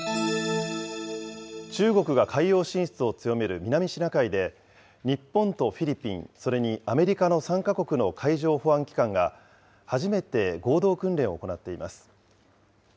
中国が海洋進出を強める南シナ海で、日本とフィリピン、それにアメリカの３か国の海上保安機関が、初めて合同訓練を行っています。